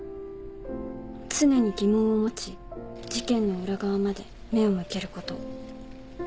「常に疑問を持ち事件の裏側まで目を向けること」